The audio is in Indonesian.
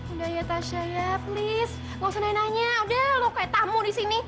udah ya tasha ya please gak usah nanya nanya udah lo kayak tamu di sini